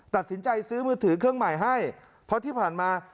ตัดสินใจซื้อมือถือเครื่องใหม่ให้เพราะที่ผ่านมา